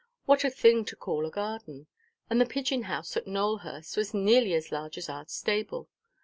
What a thing to call a garden! And the pigeon–house at Nowelhurst was nearly as large as our stable!